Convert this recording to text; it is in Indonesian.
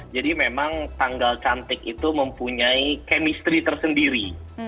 jadi memang tanggal cantik itu mempunyai kemistri tersendiri